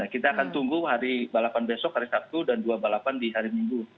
kita akan tunggu hari balapan besok hari sabtu dan dua balapan di hari minggu